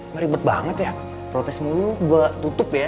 maribet banget ya protes mulu gue tutup ya